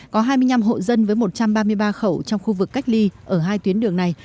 có hai mươi năm hộ dân với một trăm ba mươi ba khẩu trong khu vực cách ly ở hai tuyến đường này